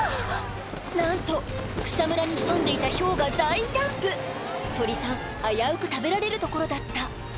なんと草むらに潜んでいたヒョウが大ジャンプ鳥さん危うく食べられるところだった